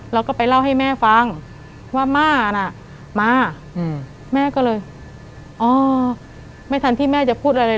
แล้วก็ไปเล่าให้แม่ฟังว่าม่าน่ะมาแม่ก็เลยอ๋อไม่ทันที่แม่จะพูดอะไร